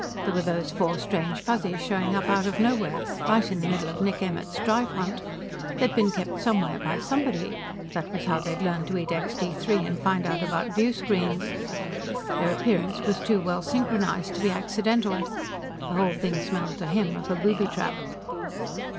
There were those four strange Fuzzies showing up out of nowhere, right in the middle of Nick Emmert's drive hunt. They'd been kept somewhere by somebody that was how they'd learned to eat Extee Three and found out about viewscreens. Their appearance was too well synchronized to be accidental. The whole thing smelled to him of a booby trap.